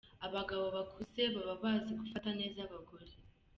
Abagabo bakuze baba bazi gufata neza abagore .